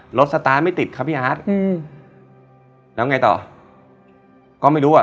สตาร์ทไม่ติดครับพี่อาร์ตอืมแล้วไงต่อก็ไม่รู้อ่ะ